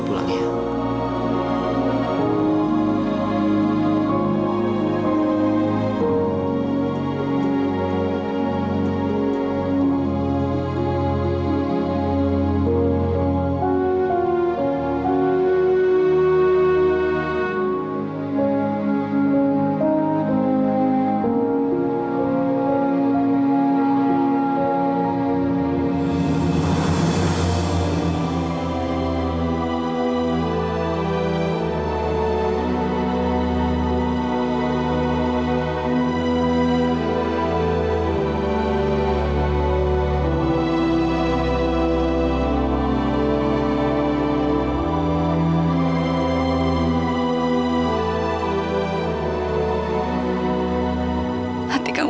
aduh kang nggak perlu kang